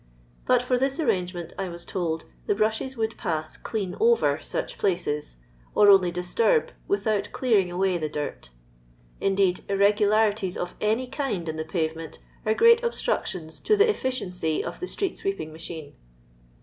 Bot Ibr tUt ammgement, I was told, the hnuhea would paM " clean oTor" inch places, or onlj dit tnrb without clearing away the dirt Indeed irregolarities of anj kind in the paTemenC are gnat obetmctioni to the efficiency of the itreet ■ weeping machine.